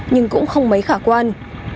nhưng cũng không mấy khả quan